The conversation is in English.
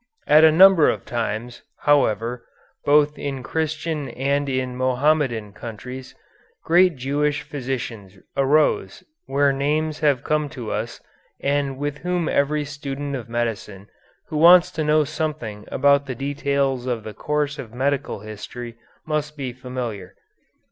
At a number of times, however, both in Christian and in Mohammedan countries, great Jewish physicians arose whose names have come to us and with whom every student of medicine who wants to know something about the details of the course of medical history must be familiar.